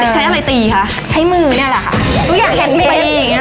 ใช้ยังไงตีคะไม่ใช้มือนั่นค่ะ